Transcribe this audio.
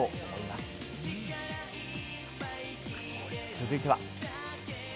続いては。